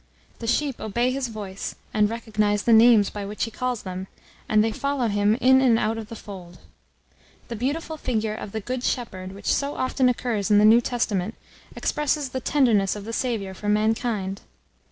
The sheep obey his voice and recognize the names by which he calls them, and they follow him in and out of the fold. The beautiful figure of the "good shepherd," which so often occurs in the New Testament, expresses the tenderness of the Saviour for mankind.